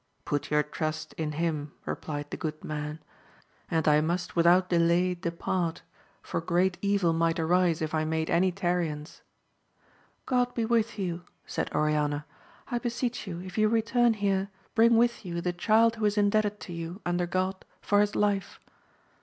Put your trust in him, replied the good man ; and I must without delay depart, for great evil might arise if I made any tarriance. God be with you, said Oriana ; I beseech you, if you return here, bring with you the child who is indebted to you, under God, for his life.